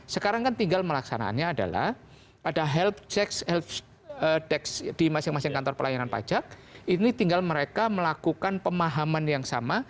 sekarang kan tinggal melaksanakannya adalah pada health dex di masing masing kantor pelayanan pajak ini tinggal mereka melakukan pemahaman yang sama